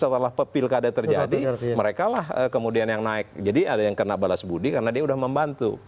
setelah pepilkada terjadi mereka lah kemudian yang naik jadi ada yang kena balas budi karena dia udah membantu